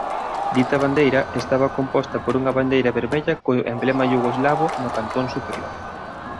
Dita bandeira estaba composta por unha bandeira vermella co emblema iugoslavo no cantón superior.